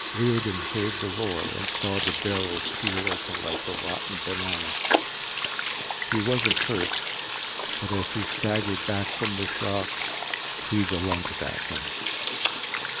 Riordan heard the roar and saw the barrel peel open like a rotten banana. He wasn't hurt, but as he staggered back from the shock Kreega lunged at him.